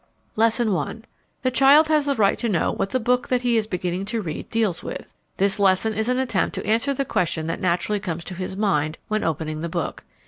Lesson I. The child has the right to know what the book that he is beginning to read deals with. This lesson is an attempt to answer the question that naturally comes to his mind when opening the book.